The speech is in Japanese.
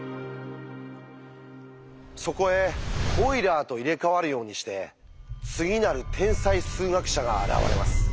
そこへオイラーと入れ代わるようにして次なる天才数学者が現れます。